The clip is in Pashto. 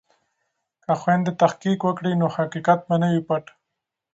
که خویندې تحقیق وکړي نو حقیقت به نه وي پټ.